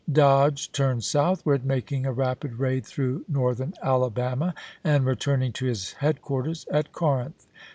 Dodge turned southward, making a rapid raid thi'ough Northern Alabama, and return ing to his headquarters at Corinth.